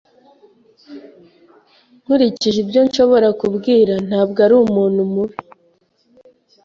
Nkurikije ibyo nshobora kubwira, ntabwo ari umuntu mubi.